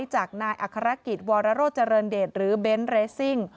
จากนายอัครกิจวรโรเจริญเดชหรือเบนท์เรซิ่ง